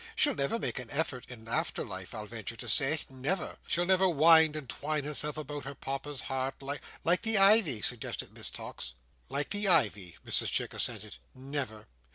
She'll never make an effort in after life, I'll venture to say. Never! She'll never wind and twine herself about her Papa's heart like—" "Like the ivy?" suggested Miss Tox. "Like the ivy," Mrs Chick assented. "Never!